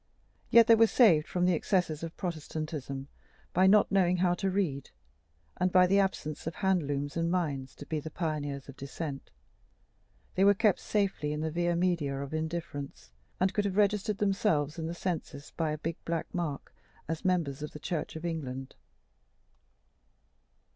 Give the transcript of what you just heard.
Yet they were saved from the excess of Protestantism by not knowing how to read, and by the absence of handlooms and mines to be the pioneers of Dissent: they were kept safely in the via media of indifference, and could have registered themselves in the census by a big black mark as members of the Church of England.